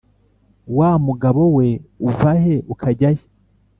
wa mugabo we uva he ukajya he?"